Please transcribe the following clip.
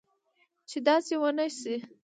چې داسي و نه شي